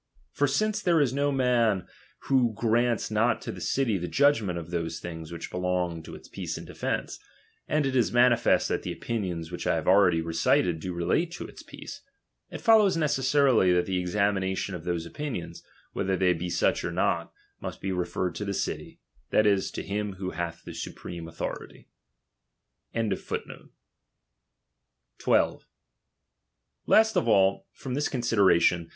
For since there is no man who grants not to the city the judgment of those things which belong to its peace and defence, and it is manifest that the opinions which I have already recited do relate to its peace ; it follows ne cs^rily, that the examination of those opinions, whether they ninch or not, must be referred to the city; tiiat is, to him who ■^the supreme authority. 80 DOMINION.